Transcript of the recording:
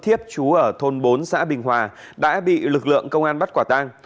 thiếp chú ở thôn bốn xã bình hòa đã bị lực lượng công an bắt quả tang